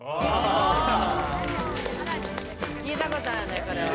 聞いたことあるねこれは。